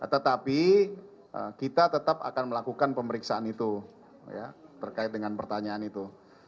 tetapi kita tetap akan melakukan pemeriksaan itu terkait dengan pertanyaan itu